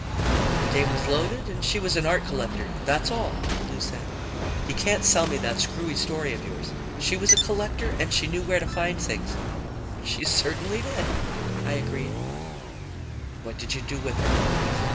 "The dame was loaded and she was an art collector, that's all," Lou said. "You can't sell me that screwy story of yours. She was a collector and she knew where to find things." "She certainly did," I agreed. "What did you do with her?"